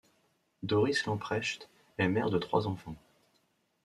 Doris Lamprecht est mère de trois enfants.